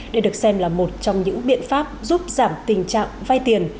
đây được xem là một trong những biện pháp giúp giảm tình trạng vay tiền